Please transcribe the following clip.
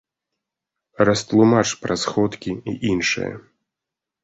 Растлумач пра сходкі і іншае.